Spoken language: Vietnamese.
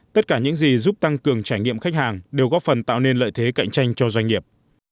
tất cả những gì giúp tăng cường trải nghiệm khách hàng đều góp phần tạo nên lợi thế cạnh tranh cho doanh nghiệp